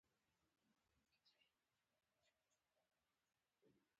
زه وايم د سپيني توري شړنګ دي وي